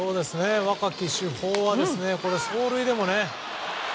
若き主砲は走塁でもね。